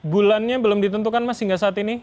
bulannya belum ditentukan mas hingga saat ini